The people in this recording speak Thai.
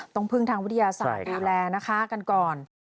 ต้องพึ่งทางวิทยาศาสตร์ดูแลนะคะกันก่อน